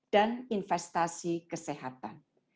dan investasi kesehatan